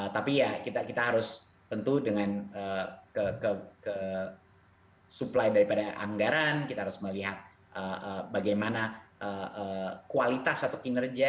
tapi ya kita harus tentu dengan supply daripada anggaran kita harus melihat bagaimana kualitas atau kinerja